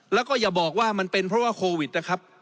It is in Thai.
แล้วก็อย่าบอกว่ามันเป็นเพราะว่าโควิดนะครับ